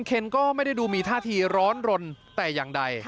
เคนก็ไม่ได้ดูมีท่าทีร้อนรนแต่อย่างใด